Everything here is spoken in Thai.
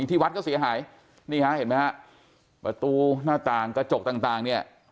ที่วัดก็เสียหายนี่ฮะเห็นไหมฮะประตูหน้าต่างกระจกต่างเนี่ย